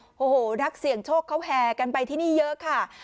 โอ้โหนักเสี่ยงโชคเขาแห่กันไปที่นี่เยอะค่ะ